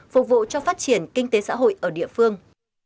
phát triển kinh tế xã hội ở địa phương